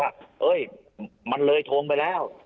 ว่าเอ้ยมันเลยทรงไปแล้ว